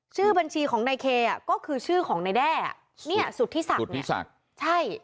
ชื่อบัญชีของในเคก็คือชื่อของในแด่นี่สุทธิศักดิ์เนี่ยสุทธิศักดิ์